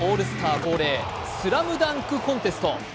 恒例、スラムダンクコンテスト。